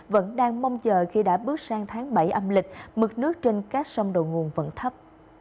vẫn đang mong chờ khi đã bước sang tháng bảy âm lịch mực nước trên các sông đầu nguồn vẫn thấp